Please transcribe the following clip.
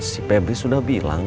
si pebri sudah bilang